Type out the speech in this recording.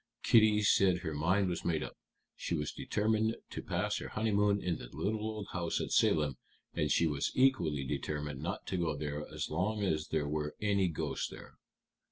Kitty said her mind was made up. She was determined to pass her honeymoon in the little old house at Salem, and she was equally determined not to go there as long as there were any ghosts there.